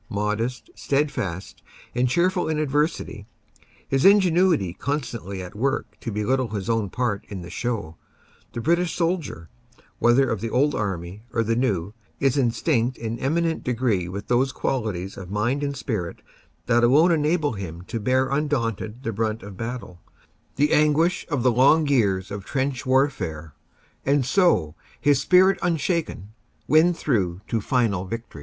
Modest, steadfast and cheerful in adversity, his ingenuity constantly at work to belittle his own part in the show, the British soldier, whether of the old army or the new, is instinct in eminent degree with those qualities of mind and spirit that alone enabled him to hear undaunted the brunt of battle, the anguish of the long years of trench warfare, and so, his spirit unshaken, win through to final victory.